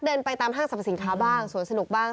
เดินไปตามห้างสรรพสินค้าบ้างสวนสนุกบ้าง